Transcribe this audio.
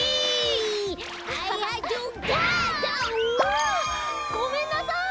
あごめんなさい。